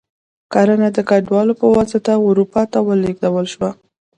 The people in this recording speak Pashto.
کرنه د کډوالو په واسطه اروپا ته ولېږدول شوه.